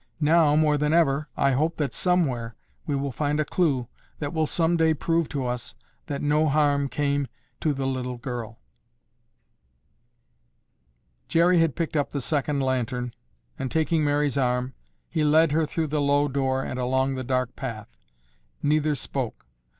Now, more than ever, I hope that somewhere we will find a clue that will someday prove to us that no harm came to the little girl." Jerry had picked up the second lantern and, taking Mary's arm, he led her through the low door and along the dark path. Neither spoke.